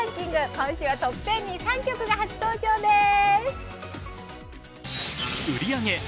今週はトップ１０に３曲が発登場です。